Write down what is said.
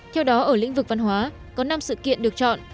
theo đó ở lĩnh vực văn hóa có năm sự kiện được chọn